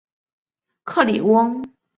克里翁。